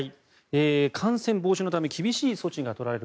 感染防止のため厳しい措置が取られる